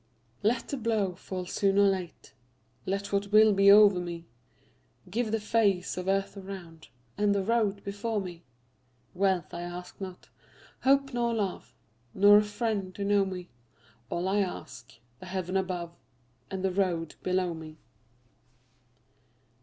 Let the blow fall soon or late, Let what will be o'er me; Give the face of earth around, And the road before me. Wealth I ask not, hope nor love, Nor a friend to know me; All I ask, the heaven above And the road below me.